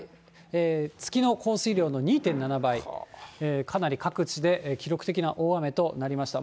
月の降水量の２．７倍、かなり各地で記録的な大雨となりました。